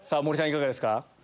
いかがですか？